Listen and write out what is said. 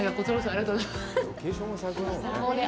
ありがとうございます。